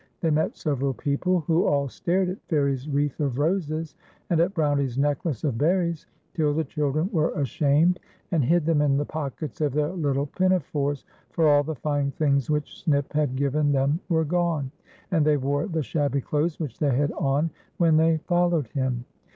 They met several people, who all stared at Fairie's wreath of roses and at Brownie's necklace of berries, till the children were ashamed, and hid them in the pockets of their little pinafores, for all the fine things which Snip had given them were gone, and they wore the shabby clothes which they had on when they followed him.